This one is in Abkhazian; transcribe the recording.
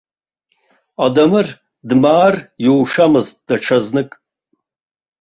Адамыр дмаар иушамызт даҽазнык.